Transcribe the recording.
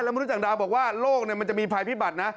แล้วมนุษย์ต่างดาวบอกว่าโลกมันจะมีภัยพิบัตินะ